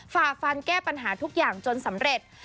ฝ่าฟันแก้ปัญหาทุกอย่างจนสำเร็จ